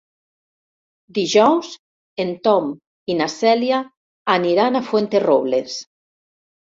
Dijous en Tom i na Cèlia aniran a Fuenterrobles.